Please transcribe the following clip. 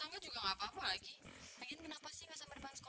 untuk biaya sekolah adik adik